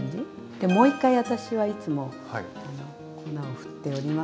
でもう一回私はいつも粉を振っております。